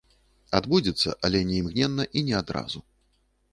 Адбудзецца, але не імгненна і не адразу.